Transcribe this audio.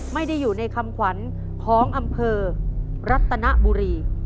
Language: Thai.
ไม่ได้อยู่ในคำขวัญของอำเภอรัตนบุรี